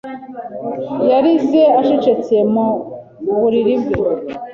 yarize acecetse mu buriri bwe,